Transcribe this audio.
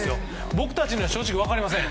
僕たちには正直分かりません。